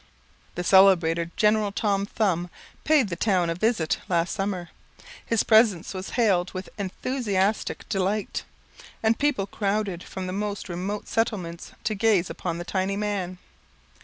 The celebrated General Tom Thumb paid the town a visit last summer. His presence was hailed with enthusiastic delight, and people crowded from the most remote settlements to gaze upon the tiny man.